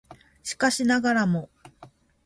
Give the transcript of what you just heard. しかしながらも